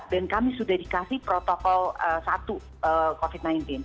dan kami sudah dikasih protokol satu covid sembilan belas